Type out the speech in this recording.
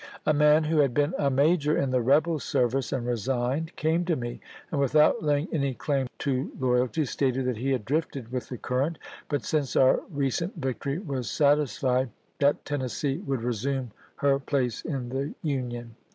.. A man who had been a major in the rebel service and resigned came to me, and without laying any claim to loyalty, stated that he had drifted with the current, but since our recent victory was satisfied that Tennessee would resume her place in the Union.